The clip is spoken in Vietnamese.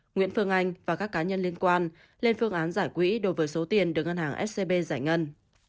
nguyễn phương anh và các cá nhân liên quan lên phương án giải quỹ đối với số tiền được ngân hàng scb giải ngân